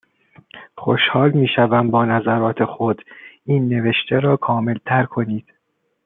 خوشحال میشوم با نظرات خود، این نوشته را کاملتر کنید